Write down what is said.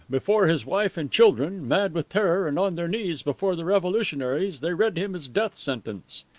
Before his wife and children, mad with terror and on their knees before the revolutionaries, they read him his death sentence.